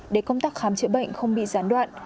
để công tác khám chữa bệnh không bị gián đoạn